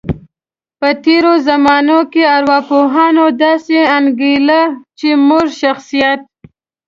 په تیرو زمانو کې ارواپوهانو داسې انګیرله، چی موږ د شخصیت